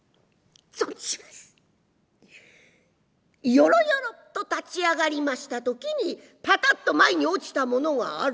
よろよろっと立ち上がりました時にパタっと前に落ちたものがある。